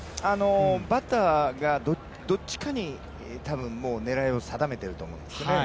バッターがどっちかにたぶん、狙いを定めていると思うんですね。